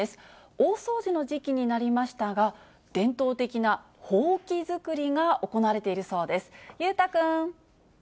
大掃除の時期になりましたが、伝統的なほうき作りが行われているそうです。